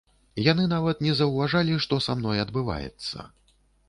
Яны нават не заўважалі, што са мной адбываецца.